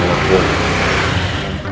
ya kamu bebenah juga